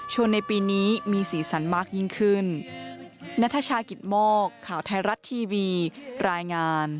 ในปีนี้มีสีสันมากยิ่งขึ้น